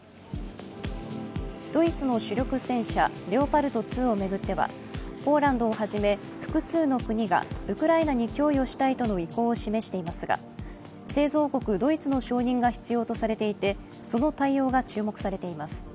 ドイツの主力戦車レオパルト２を巡ってはポーランドをはじめ複数の国がウクライナに供与したいとの意向を示していますが製造国・ドイツの承認が必要とされていてその対応が注目されています。